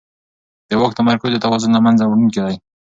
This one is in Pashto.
د واک تمرکز د توازن له منځه وړونکی دی